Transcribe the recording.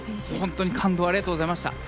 本当に感動をありがとうございました。